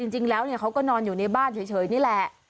จริงแล้วเขาก็นอนอยู่ในบ้านเฉยนี่แหละ